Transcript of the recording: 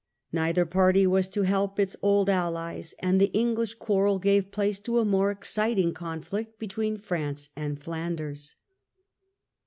Neither party was to help its old allies, and the English quarrel gave place to a more ex citing conflict between France and Flanders.